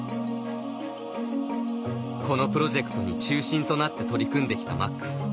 このプロジェクトに中心となって取り組んできたマックス。